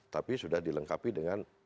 tapi sudah dilengkapi dengan